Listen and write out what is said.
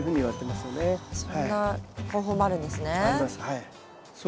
そんな方法もあるんですね。